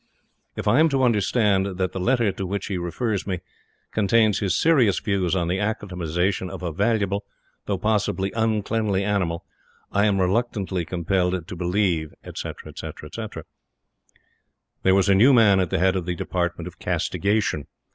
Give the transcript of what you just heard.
If I am to understand that the letter to which he refers me contains his serious views on the acclimatization of a valuable, though possibly uncleanly, animal, I am reluctantly compelled to believe," etc., etc. There was a new man at the head of the Department of Castigation.